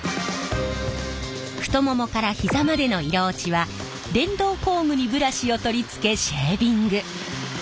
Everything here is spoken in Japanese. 太ももから膝までの色落ちは電動工具にブラシを取り付けシェービング。